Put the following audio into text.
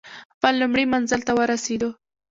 خپل لومړي منزل ته ورسېدو.